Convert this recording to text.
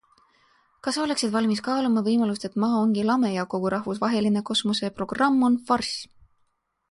Kas sa oleksid valmis kaaluma võimalust, et Maa ongi lame ja kogu rahvusvaheline kosmoseprogramm on farss?